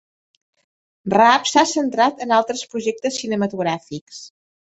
Raab s'ha centrat en altres projectes cinematogràfics.